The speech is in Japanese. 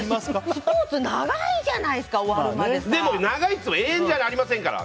スポーツ長いじゃないですかでも長いっても永遠じゃありませんから。